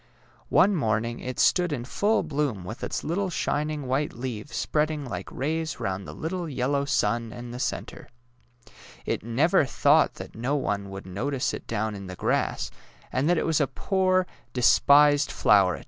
One morning it stood in full bloom with its little shining white leaves spreading like rays round the little yellow sun in the centre. It never thought that no one would notice it down in the grass, and that it was a poor, 189 190 DAISY AND SUNFLOWER despised floweret.